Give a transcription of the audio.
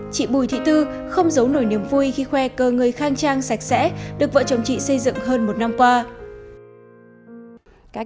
chị bùi thị tư không giấu nổi niềm vui khi khoe cơ người khang trang sạch sẽ được vợ chồng chị xây dựng hơn một năm qua